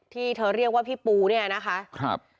ที่เธอเรียกว่าพี่ปูเนี่ยนะคะครับ